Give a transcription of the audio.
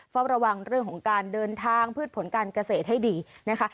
เฝ้าระวังเรื่องของการเดินทางพืชผลการเกษตรให้ดีนะคะ